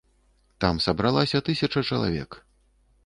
Там сабралася тысяча чалавек.